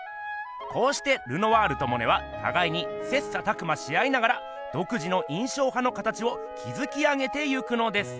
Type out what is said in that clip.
こうしてルノワールとモネはたがいに切磋琢磨し合いながらどく自の印象派の形をきずき上げていくのです。